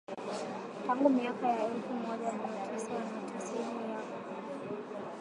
Tangu miaka ya elfu moja mia tisa na tisini na kuua raia wengi.